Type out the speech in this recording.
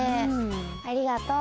ありがとう。